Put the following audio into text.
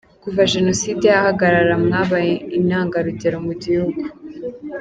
Kuva Jenoside yahagarara mwabaye intangarugero mu gihugu.